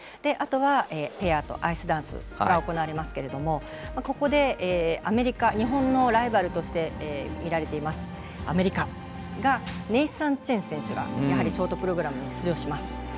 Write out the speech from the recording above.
あとはペアとアイスダンスが行われますがここで日本のライバルとして見られていますアメリカがネイサン・チェン選手がショートプログラムに出場します。